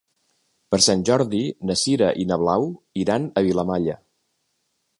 Per Sant Jordi na Sira i na Blau iran a Vilamalla.